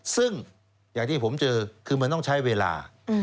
ซึ่งอย่างที่ผมเจอคือมันต้องใช้เวลา